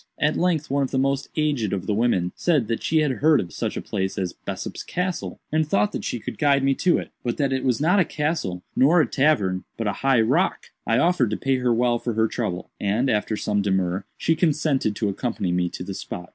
At length one of the most aged of the women said that she had heard of such a place as Bessop's Castle, and thought that she could guide me to it, but that it was not a castle nor a tavern, but a high rock. "I offered to pay her well for her trouble, and, after some demur, she consented to accompany me to the spot.